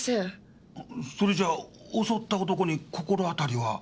それじゃ襲った男に心当たりは？